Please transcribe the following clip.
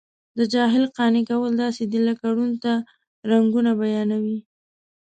د جاهل قانع کول داسې دي لکه ړوند ته رنګونه بیانوي.